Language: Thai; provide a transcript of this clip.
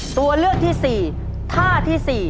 ตัวเลือกที่๔ท่าที่๔